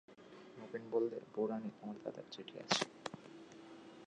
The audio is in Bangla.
নবীন বললে, বউরানী, তোমার দাদার চিঠি আছে।